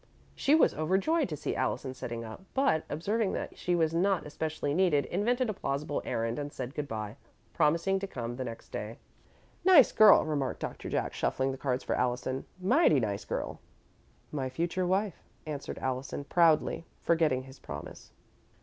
She was overjoyed to see Allison sitting up, but, observing that she was not especially needed, invented a plausible errand and said good bye, promising to come the next day. "Nice girl," remarked Doctor Jack, shuffling the cards for Allison. "Mighty nice girl." "My future wife," answered Allison, proudly, forgetting his promise.